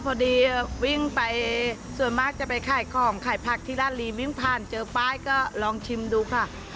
พอดีวิ่งไปส่วนมากจะไปขายของขายผักที่ร้านลีวิ่งผ่านเจอป้ายก็ลองชิมดูค่ะ